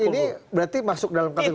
ini berarti masuk dalam kategori